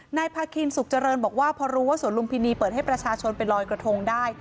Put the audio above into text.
นายพาคินสุขเจริญบอกว่าพอรู้ว่าสวนลุมพินีเปิดให้ประชาชนไปลอยกระทงได้